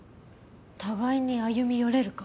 互いに歩み寄れるか？